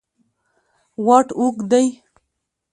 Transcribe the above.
واټ اوږد دی.